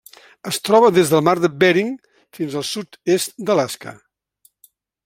Es troba des del mar de Bering fins al sud-est d'Alaska.